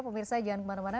pemirsa jangan kemana mana